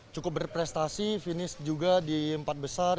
cukup berprestasi finish juga di empat besar